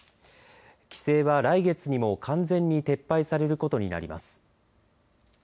規制は来月にも完全に撤廃されることになります。